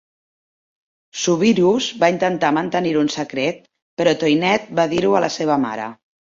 Soubirous va intentar mantenir-ho en secret, però Toinette va dir-ho a la seva mare.